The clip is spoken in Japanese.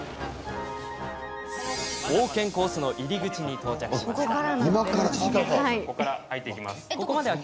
冒険コースの入り口に到着しました。